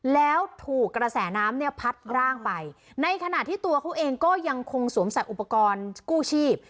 แล้วถูกกระแสน้ำเนี่ยพัดร่างไปในขณะที่ตัวเขาเองก็ยังคงสวมใส่อุปกรณ์กู้ชีพ